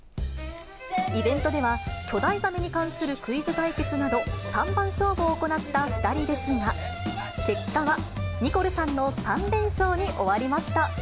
イベントでは、巨大ザメに関するクイズ対決など、三番勝負を行った２人ですが結果はニコルさんの３連勝に終わりました。